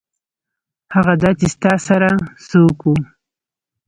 هغه دا چې ستا سره څوک وو.